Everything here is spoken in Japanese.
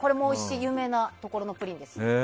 有名なところのプリンです。